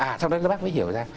à sau đó bác mới hiểu ra